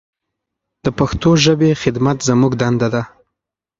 د پښتو ژبې خدمت زموږ دنده ده.